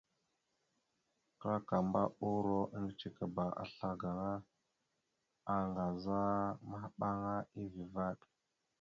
Klakamba uuro eŋgcekaba assla gaŋa, aaŋgaza maɓaŋa, eeve vvaɗ.